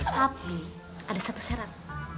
tapi ada satu syarat